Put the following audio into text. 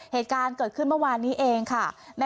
เหตุการณ์เกิดขึ้นเมื่อวานนี้เองค่ะ